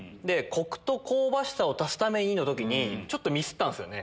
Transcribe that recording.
コクと香ばしさを足すためにの時ちょっとミスったんすよね。